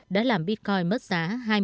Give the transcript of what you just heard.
đã làm bitcoin mất giá hai mươi